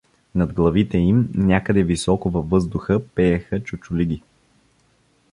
Над главите им, някъде високо във въздуха, пееха чучулиги.